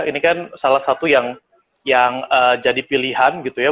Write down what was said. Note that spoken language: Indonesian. ini kan salah satu yang jadi pilihan gitu ya